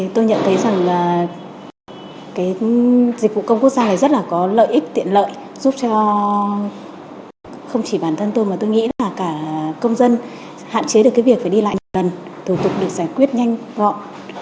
tôi nhận thấy rằng dịch vụ công quốc gia rất là có lợi ích tiện lợi giúp cho không chỉ bản thân tôi mà tôi nghĩ là cả công dân hạn chế được việc phải đi lại nhận lần thủ tục được giải quyết nhanh gọn